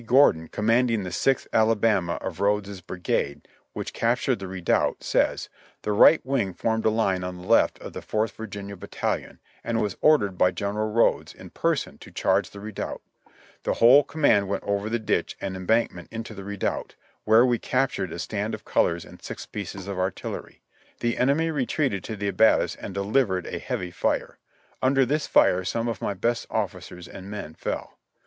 Gordon, commanding the Sixth Alabama, of Rodes's brigade, which captured the redoubt, says : "The right wing formed a line on the left of the Fourth Virginia Battalion, and was ordered by General Rodes in person to charge the redoubt; the whole command went over the ditch and embank ment into the redoubt, where we captured a stand of colors and six pieces of artillery. The enemy retreated to the abattis and delivered a heavy fire; under this fire some of my best officers and men fell.